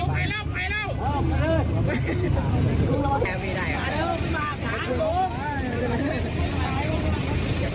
รถไฟปกติ